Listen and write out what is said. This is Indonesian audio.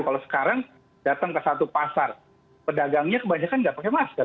kalau sekarang datang ke satu pasar pedagangnya kebanyakan nggak pakai masker